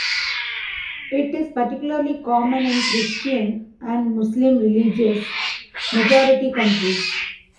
It is particularly common in Christian and Muslim religious majority countries.